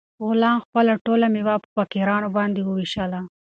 غلام خپله ټوله مېوه په فقیرانو باندې وویشله.